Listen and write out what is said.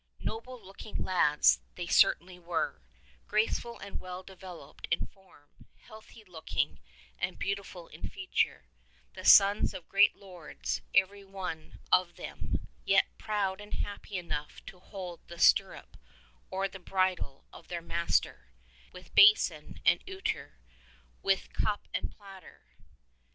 Noble looking lads they certainly were, graceful and well developed in form, healthy looking and beautiful in feature; the sons of great lords every one of them, yet proud and happy enough to hold the stirrup or the bridle of their master, and to serve him in hall with basin and ewer, with cup and platter.